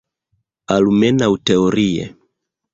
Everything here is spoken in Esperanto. Almenaŭ teorie.